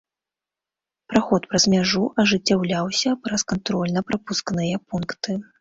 Праход праз мяжу ажыццяўляўся праз кантрольна-прапускныя пункты.